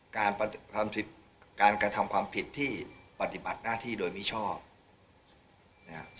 การกระทำความผิดที่ปฏิบัติหน้าที่โดยมิชอบนะครับ